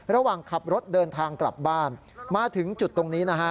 ระหว่างขับรถเดินทางกลับบ้านมาถึงจุดตรงนี้นะฮะ